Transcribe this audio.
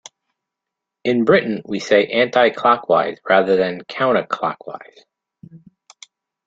In Britain we say Anti-clockwise rather than Counterclockwise